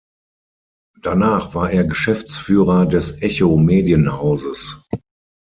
Danach war er Geschäftsführer des Echo Medienhauses.